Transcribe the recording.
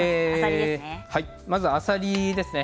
まず、あさりですね。